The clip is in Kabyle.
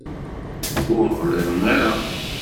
Ur ɣliḍen ara.